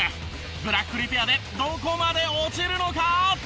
ブラックリペアでどこまで落ちるのか？